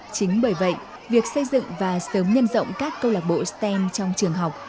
chính bởi vậy việc xây dựng và sớm nhân rộng các câu lạc bộ stem trong trường học